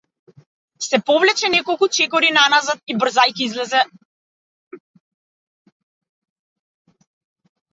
Се повлече неколку чекори наназад и брзајќи излезе.